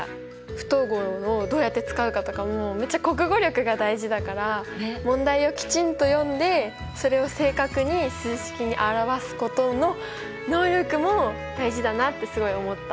不等号をどうやって使うかとかもめっちゃ国語力が大事だから問題をきちんと読んでそれを正確に数式に表すことの能力も大事だなってすごい思った。